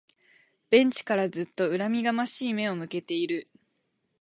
ベンチからずっと恨みがましい目を向けている